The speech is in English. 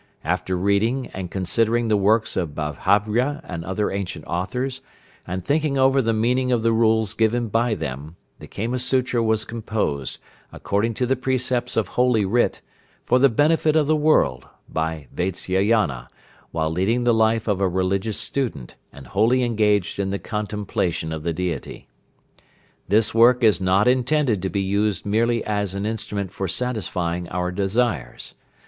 After reading and considering the works of Babhravya and other ancient authors, and thinking over the meaning of the rules given by them, the Kama Sutra was composed, according to the precepts of Holy Writ, for the benefit of the world, by Vatsyayana, while leading the life of a religious student, and wholly engaged in the contemplation of the Deity." "This work is not intended to be used merely as an instrument for satisfying our desires.